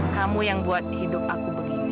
kamu yang buat hidup aku begini